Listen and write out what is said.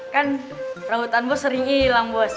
kan perahutan bos sering ilang bos